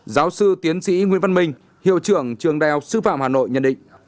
giáo sư tiến sĩ nguyễn văn minh hiệu trưởng trường đại học sư phạm hà nội nhận định